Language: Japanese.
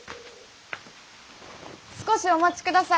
少しお待ちください。